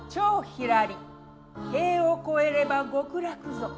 「蝶ひらり塀を越えれば極楽ぞ」。